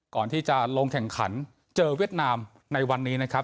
ก่อนที่จะลงแข่งขันเจอเวียดนามในวันนี้นะครับ